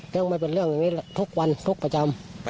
ก็ไม่เป็นเรื่องอย่างนี้ทุกวันทุกประจำ